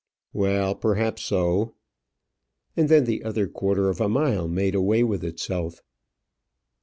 "Well, perhaps so." And then the other quarter of a mile made away with itself.